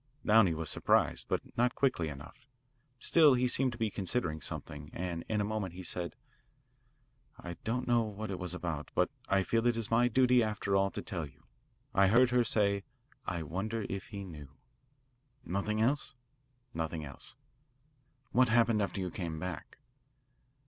Downey was surprised, but not quickly enough. Still he seemed to be considering something, and in a moment he said: "I don't know what it was about, but I feel it is my duty, after all, to tell you. I heard her say, 'I wonder if he knew.'" "Nothing else?" "Nothing else." "What happened after you came back?"